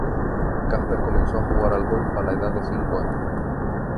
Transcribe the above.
Casper comenzó a jugar al golf a la edad de cinco años.